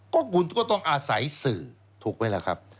ก็คุณก็ต้องอาศัยสื่อถูกไหมล่ะครับ